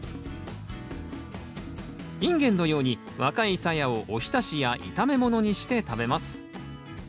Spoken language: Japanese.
インゲンのように若いさやをお浸しや炒め物にして食べます。